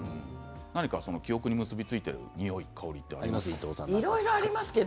記憶に結び付いている匂いはありますか？